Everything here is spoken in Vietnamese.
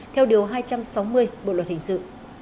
theo điều hai trăm sáu mươi bộ luật hình sự